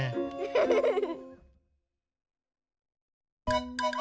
フフフフ。